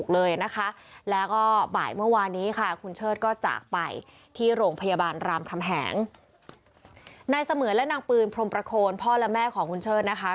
นายเสมือนและนางปืนพรมประโคนพ่อและแม่ของคุณเชิดนะคะ